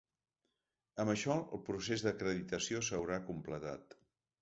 Amb això el procés d’acreditació s’haurà completat.